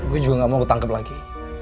gue juga gak mau ketangkep lagi